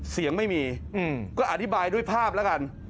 เสียงไม่มีก็อธิบายด้วยภาพแล้วกัน